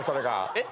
「えっ？」